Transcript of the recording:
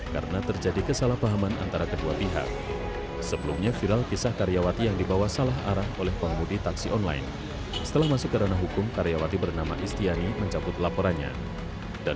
dan terjadi human error kesalahan arah tujuan yang membuat saya panik dan meminta diturunkan di pinggir tol arah ke jalan raya